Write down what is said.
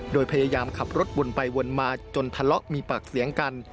โดยพยายามขับรถวนไปวนมาจนทะเลาะมีปากเสียงกัน